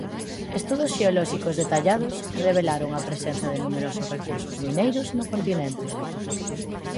Estudos xeolóxicos detallados revelaron a presenza de numerosos recursos mineiros no continente.